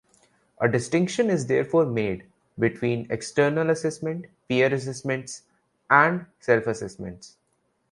A distinction is therefore made between external assessments, peer assessments and self-assessments.